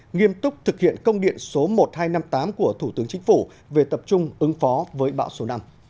nghiêm túc thực hiện công điện số một nghìn hai trăm năm mươi tám của thủ tướng chính phủ về tập trung ứng phó với bão số năm